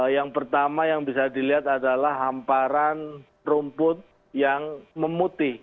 yang pertama yang bisa dilihat adalah hamparan rumput yang memutih